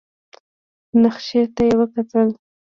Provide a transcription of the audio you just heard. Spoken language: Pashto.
نخشې ته يې وکتل.